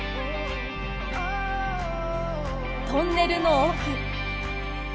トンネルの奥。